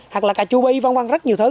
hoặc là cà chua bi văn rất nhiều thứ